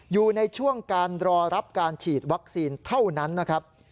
อยู่ในช่วงการรอรับการฉีดวัคซีนเท่านั้นนะครับ